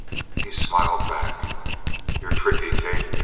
He smiled back: "You're tricky, Kate.